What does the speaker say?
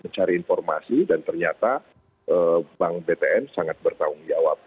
mencari informasi dan ternyata bank btn sangat bertanggung jawab